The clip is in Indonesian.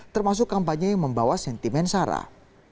termasuk kampanye yang membawa sentimen sarah